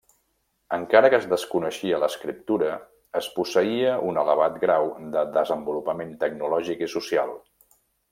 Encara que es desconeixia l'escriptura, es posseïa un elevat grau de desenvolupament tecnològic i social.